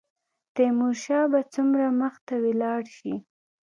تیمورشاه به څومره مخته ولاړ شي.